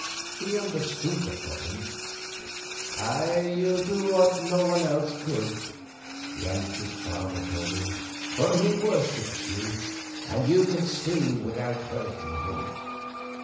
He understood the problem. 'You'll do what no one else could,' the anxious father told him, 'for he worships you, and you can sting without hurting him.